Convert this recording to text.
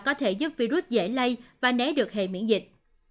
có thể giúp virus dễ lây và né được hệ miễn dịch